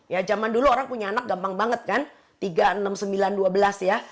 ya zaman dulu orang punya anak gampang banget kan tiga enam sembilan dua belas ya